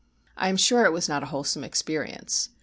I am sure it was not a wholesome experience.